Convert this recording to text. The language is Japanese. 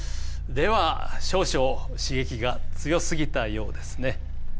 では少々刺激が強すぎたようですね。